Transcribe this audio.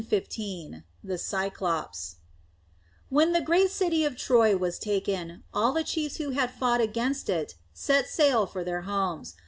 CHAPTER IX THE CYCLOPS When the great city of Troy was taken, all the chiefs who had fought against it set sail for their homes.